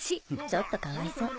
ちょっとかわいそう。